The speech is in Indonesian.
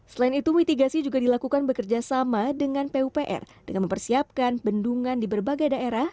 selain itu mitigasi juga dilakukan bekerja sama dengan pupr dengan mempersiapkan bendungan di berbagai daerah